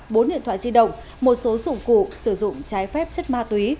bốn điện thoại di động một số dụng cụ sử dụng trái phép chất ma túy